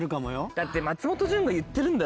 だって松本潤が言ってるんだ